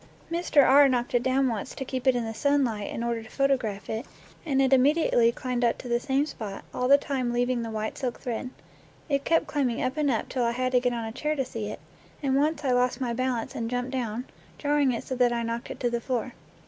Mr. R knocked it down once to keep it in the sun light in order to photograph it, and it immediately climbed 21 NATURE LORE up to the same spot, all the time leaving the white silk thread. It kept climbing up and up till I had to get on a chair to see it, and once I lost my balance and jumped down, jarring it so that I knocked it to the floor.